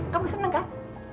kamu seneng kan